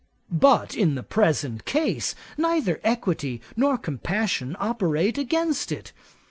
But in the present case, neither equity nor compassion operate against it.